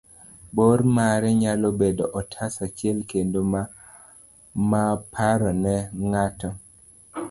bor mare nyalo bedo otas achiel kende ma paro ne ng'ato